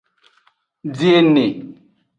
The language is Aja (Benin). Biene.